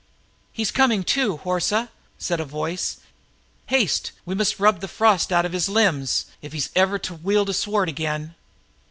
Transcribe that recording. "He's coming to, Horsa," grunted a voice. "Haste—we must rub the frost out of his limbs, if he's ever to wield sword again."